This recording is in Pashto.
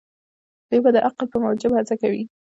دوی به د عقل په موجب هڅه کوي.